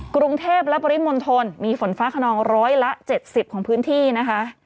กรุงเทพและปริมณฑลมีฝนฟ้าขนองร้อยละ๗๐ของพื้นที่นะคะ